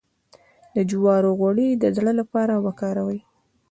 د جوارو غوړي د زړه لپاره وکاروئ